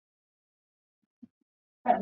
清时修缮。